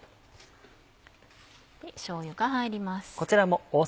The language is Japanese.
しょうゆが入ります。